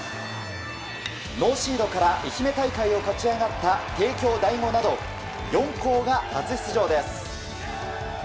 ノーシードから愛媛大会を勝ち上がった帝京第五など４校が初出場です。